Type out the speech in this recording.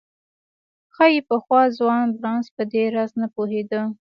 ښايي پخوا ځوان بارنس په دې راز نه پوهېده.